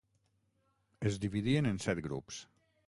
Es dividien en set grups.